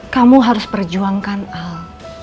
kamu harus perjuangkan al